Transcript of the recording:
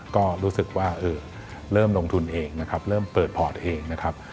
ก็รู้สึกว่าเริ่มลงทุนเองนะครับเริ่มเปิดพอร์ตเองนะครับ